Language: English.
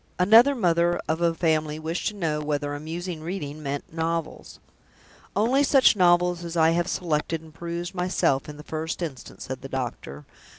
Another mother of a family wished to know whether amusing reading meant novels. "Only such novels as I have selected and perused myself, in the first instance," said the doctor.